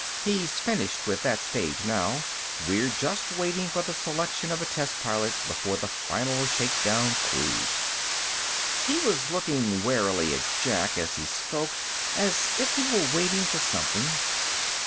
He's finished with that stage now; we're just waiting for the selection of a test pilot for the final shakedown cruise." He was looking warily at Jack as he spoke, as if he were waiting for something.